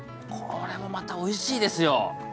これもまたおいしいですよ。